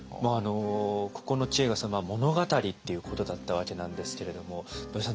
ここの知恵が「物語」っていうことだったわけなんですけれども土井さん